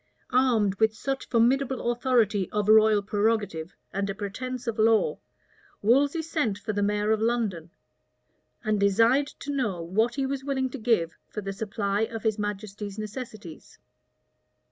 Armed with such formidable authority of royal prerogative and a pretence of law, Wolsey sent for the mayor of London, and desired to know what he was willing to give for the supply of his majesty's necessities.